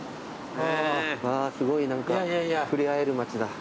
すごい何か触れ合える街だ。